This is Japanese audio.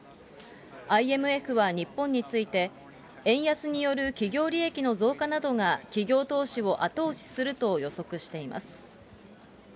ＩＭＦは日本について、円安による企業利益の増加などが企業投資を後押しすると予測しています。